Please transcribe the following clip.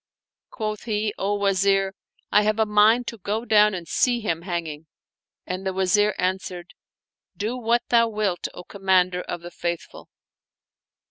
Quoth he, " O Wazir, I have a mind to go down and see him hanging "; and the Wazir answered, " Do what thou wilt, O Commander of the Faithful."